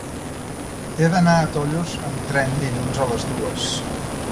He d'anar a Tollos amb tren dilluns a les dues.